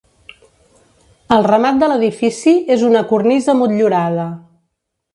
El remat de l'edifici és una cornisa motllurada.